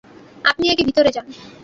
আপনি আগে ভিতরে যান।